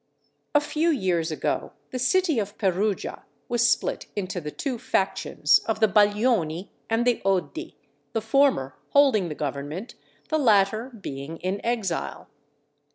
A few years ago the city of Perugia was split into the two factions of the Baglioni and the Oddi, the former holding the government, the latter being in exile.